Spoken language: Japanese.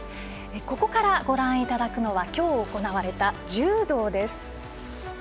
ここからご覧いただくのはきょう行われた柔道です。